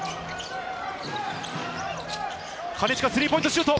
金近、スリーポイントシュート。